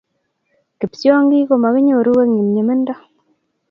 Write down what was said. Kipsyongik ko makinyoru eng' nyumnyumindo